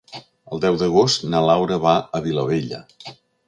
El deu d'agost na Laura va a Vilabella.